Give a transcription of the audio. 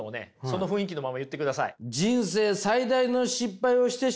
その雰囲気のまま言ってください。